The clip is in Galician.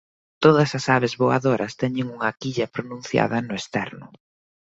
Todas as aves voadoras teñen unha quilla pronunciada no esterno.